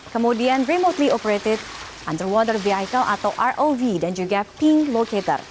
kemudian remotely operated underwater vehicle atau rov dan juga pink locator